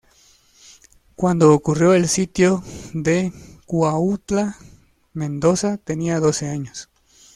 Cuando ocurrió el sitio de Cuautla, Mendoza tenía doce años.